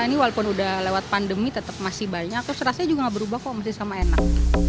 ini walaupun udah lewat pandemi tetap masih banyak terus rasanya juga nggak berubah kok masih sama enak